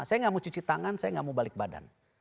saya nggak mau cuci tangan saya nggak mau balik badan